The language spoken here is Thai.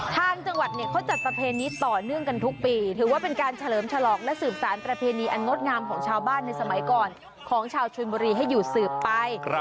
ทางจังหวัดเนี่ยเขาจัดประเพณีต่อเนื่องกันทุกปีถือว่าเป็นการเฉลิมฉลองและสืบสารประเพณีอันงดงามของชาวบ้านในสมัยก่อนของชาวชนบุรีให้อยู่สืบไป